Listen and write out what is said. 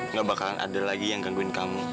nggak bakalan ada lagi yang gangguin kamu